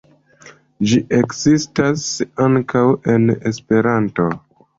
Ĝi ekzistas ankaŭ en Esperanto.